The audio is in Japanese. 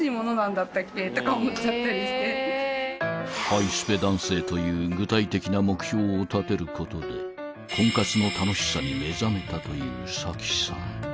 ［ハイスペ男性という具体的な目標を立てることで婚活の楽しさに目覚めたというさきさん］